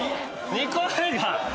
２個目が。